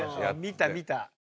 見た見た。